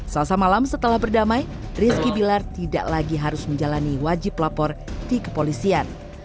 selasa malam setelah berdamai rizky bilar tidak lagi harus menjalani wajib lapor di kepolisian